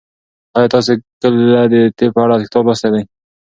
ایا تاسي کله د طب په اړه کتاب لوستی دی؟